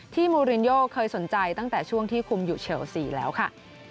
มูรินโยเคยสนใจตั้งแต่ช่วงที่คุมอยู่เชลซีแล้วค่ะ